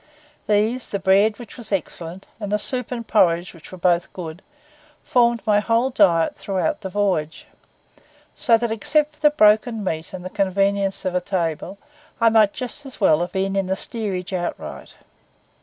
These, the bread, which was excellent, and the soup and porridge which were both good, formed my whole diet throughout the voyage; so that except for the broken meat and the convenience of a table I might as well have been in the steerage outright.